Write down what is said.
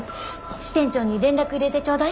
支店長に連絡入れてちょうだい。